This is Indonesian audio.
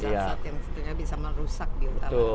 yang sebetulnya bisa merusak di utara